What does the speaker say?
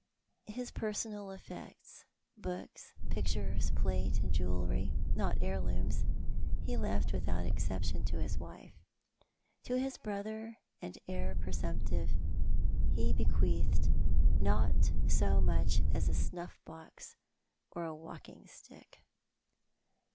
His personal effects, books, pictures, plate, acd jewellery, not heirlooms, he left without exception to his wife. To his brother and heir presumptive he bequeathed not so much as a snuff box or a walking stick.